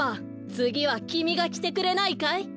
つぎはきみがきてくれないかい？